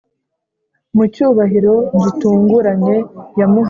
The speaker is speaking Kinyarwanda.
mu cyubahiro gitunguranye yamuhaye